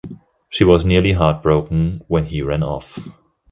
She was nearly heartbroken when he ran off.